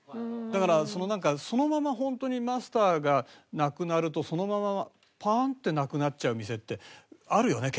だからなんかそのままホントにマスターが亡くなるとそのままパーンってなくなっちゃう店ってあるよね